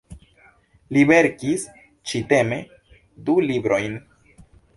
Li verkis ĉi-teme du librojn.